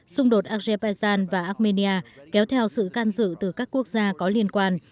xung đột azerbaijan và armenia kéo theo sự can dự từ các quốc gia có liên quan